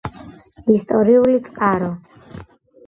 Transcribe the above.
ისტორიული წყარო